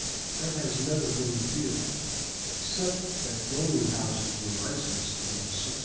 That has never been repealed, except that gaming houses were licensed in 1620.